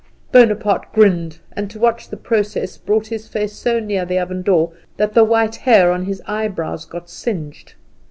Bonaparte grinned, and to watch the process brought his face so near the oven door that the white hair on his eyebrows got singed.